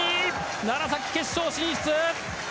楢崎、決勝進出！